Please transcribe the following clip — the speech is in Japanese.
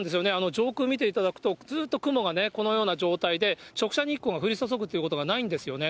上空見ていただくと、ずっと雲がね、このような状態で直射日光が降り注ぐということがないんですよね。